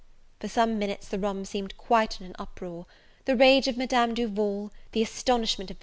For some minutes the room seemed quite in an uproar; the rage of Madame Duval, the astonishment of M.